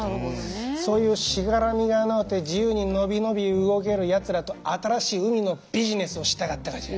そういうしがらみがのうて自由に伸び伸び動けるやつらと新しい海のビジネスをしたかったがじゃ。